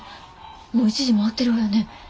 もう１時回ってるわよね。